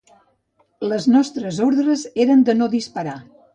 Les nostres ordres eren de no disparar